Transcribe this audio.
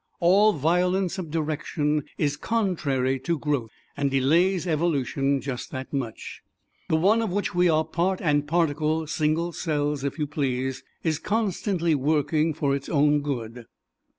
All violence of direction is contrary to growth, and delays evolution just that much. The One of which we are part and particle single cells, if you please is constantly working for its own good.